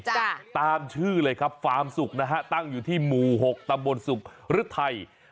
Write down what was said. ตามชื่อเลยครับฟาร์มสุกนะฮะตั้งอยู่ที่หมู่หกตำบลสุขฤทัย